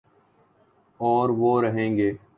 اوروہ رہیں گے۔